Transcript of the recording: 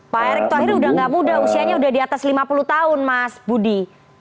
pak erick thohir udah gak muda usianya sudah di atas lima puluh tahun mas budi